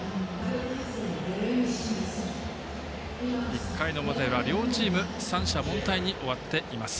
１回の表裏、両チーム三者凡退に終わっています。